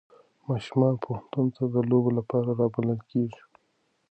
ماشومان پوهنتون ته د لوبو لپاره رابلل کېږي.